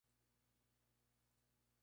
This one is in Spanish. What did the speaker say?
La tempestad.